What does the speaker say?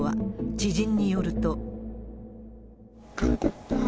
知人によると。